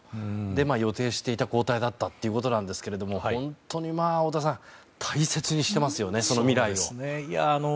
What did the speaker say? で、予定していた交代だったということなんですが本当に太田さん大切にしてますよね、未来を。